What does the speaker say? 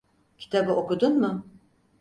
Kitabı okudun mu?